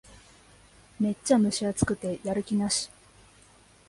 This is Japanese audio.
めっちゃ蒸し暑くてやる気なし